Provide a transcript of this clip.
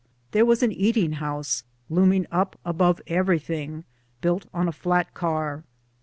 There was an eating house, looming up above everything, built on a flat car.